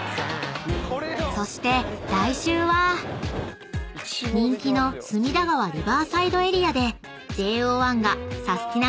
［そして来週は人気の隅田川リバーサイドエリアでＪＯ１がサスティな！